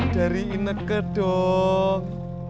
dari inek kedong